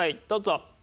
どうぞ。